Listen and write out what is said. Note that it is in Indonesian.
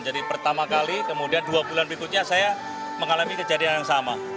jadi pertama kali kemudian dua bulan berikutnya saya mengalami kejadian yang sama